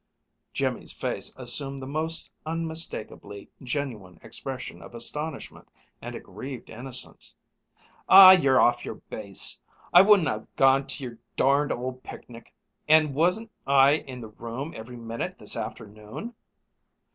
Jimmy's face assumed the most unmistakably genuine expression of astonishment and aggrieved innocence. "Aw, you're off yer base! I wouldn't ha' gone to your darned old picnic an' wasn't I in the room every minute this afternoon?"